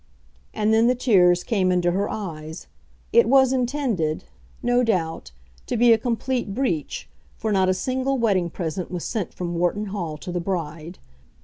And then the tears came into her eyes. It was intended, no doubt, to be a complete breach, for not a single wedding present was sent from Wharton Hall to the bride.